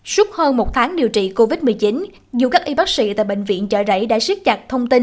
suốt hơn một tháng điều trị covid một mươi chín dù các y bác sĩ tại bệnh viện chợ rẫy đã siết chặt thông tin